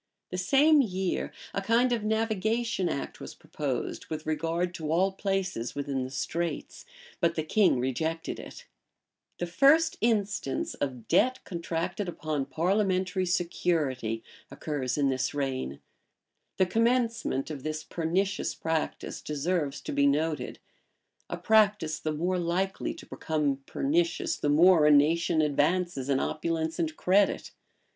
[] The same year a kind of navigation act was proposed with regard to all places within the Straits; but the king rejected it.[] The first instance of debt contracted upon parliamentary security occurs in this reign.[] The commencement of this pernicious practice deserves to be noted; a practice the more likely to become pernicious, the more a nation advances in opulence and credit.